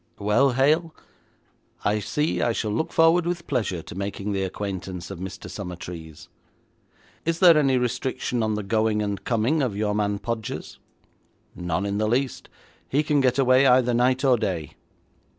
Well, Hale, I see I shall look forward with pleasure to making the acquaintance of Mr. Summertrees. Is there any restriction on the going and coming of your man Podgers?' 'None in the least. He can get away either night or day.'